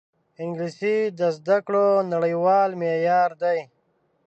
انګلیسي د زده کړو نړیوال معیار دی